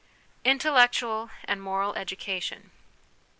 Intellectual and Moral Education.